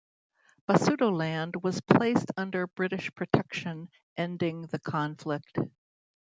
Basutoland was placed under British protection, ending the conflict.